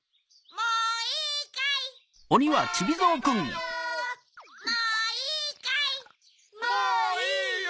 もういいよ。